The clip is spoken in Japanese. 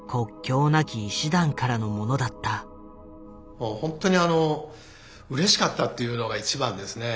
もう本当にあのうれしかったっていうのが一番ですね。